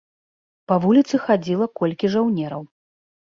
Па вуліцы хадзіла колькі жаўнераў.